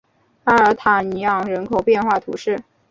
阿尔塔尼昂人口变化图示